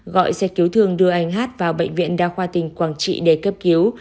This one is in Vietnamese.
gọi xe cứu thương đưa anh hát vào bệnh viện đa khoa tỉnh quảng trị để cấp cứu